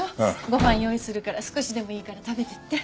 ご飯用意するから少しでもいいから食べていって。